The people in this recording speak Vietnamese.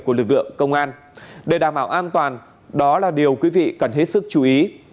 của lực lượng công an để đảm bảo an toàn đó là điều quý vị cần hết sức chú ý